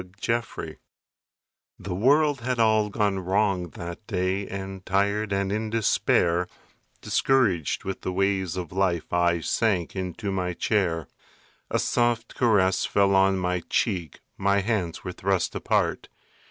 MY COMFORTER The world had all gone wrong that day And tired and in despair, Discouraged with the ways of life, I sank into my chair. A soft caress fell on my cheek, My hands were thrust apart.